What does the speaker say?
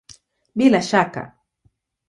Bila ya shaka!